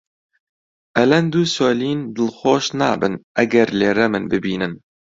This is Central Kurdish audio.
ئەلەند و سۆلین دڵخۆش نابن ئەگەر لێرە من ببینن.